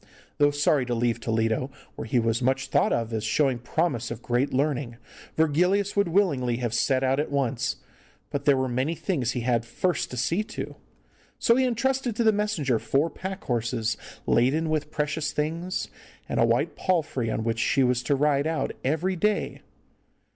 Though sorry to leave Toledo, where he was much thought of as showing promise of great learning, Virgilius would willingly have set out at once, but there were many things he had first to see to. So he entrusted to the messenger four pack horses laden with precious things, and a white palfrey on which she was to ride out every day.